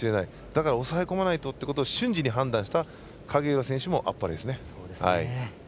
だから抑え込まないとということを瞬時に判断した影浦選手もあっぱれですね。